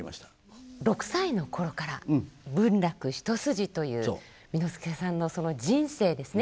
６歳の頃から文楽一筋という簑助さんのその人生ですね